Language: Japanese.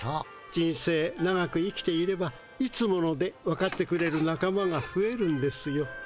人生長く生きていれば「いつもの」でわかってくれる仲間がふえるんですよ。